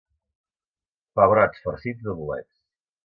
Pebrots farcits de bolets.